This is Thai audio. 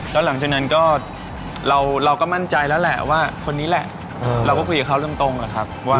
แล้วหลังจากนั้นก็เราก็มั่นใจแล้วแหละว่าคนนี้แหละเราก็คุยกับเขาตรงแหละครับว่า